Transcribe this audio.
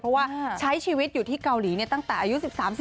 เพราะว่าใช้ชีวิตอยู่ที่เกาหลีตั้งแต่อายุ๑๓๑